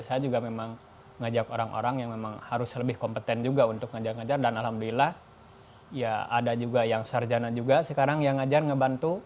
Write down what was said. saya juga memang ngajak orang orang yang memang harus lebih kompeten juga untuk ngajar ngajar dan alhamdulillah ya ada juga yang sarjana juga sekarang yang ngajar ngebantu